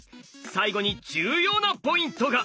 最後に重要なポイントが！